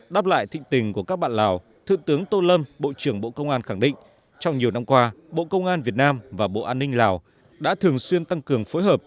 đáp lại thịnh tình của các bạn lào thượng tướng tô lâm bộ trưởng bộ công an khẳng định trong nhiều năm qua bộ công an việt nam và bộ an ninh lào đã thường xuyên tăng cường phối hợp